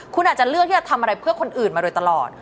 คุณอาจจะเลือกที่จะทำอะไรเพื่อคนอื่นมาโดยตลอด